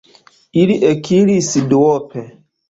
Ili ekiris duope.